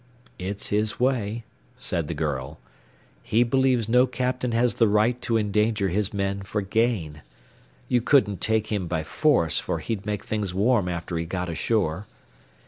"It's his way," said the girl. "He believes no captain has the right to endanger his men for gain. You couldn't take him by force, for he'd make things warm after he got ashore.